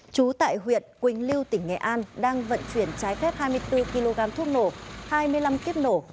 trú tại huyện quỳnh lưu tỉnh nghệ an đang vận chuyển trái phép hai mươi bốn kg thuốc nổ hai mươi năm kiếp nổ